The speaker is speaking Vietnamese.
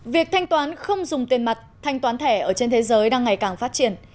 việc thanh toán không dùng tiền mặt thanh toán thẻ ở trên thế giới đang ngày càng phát triển